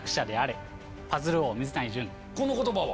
この言葉は？